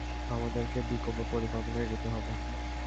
আমাদেরকে বিকল্প পরিকল্পনায় এগুতে হবে।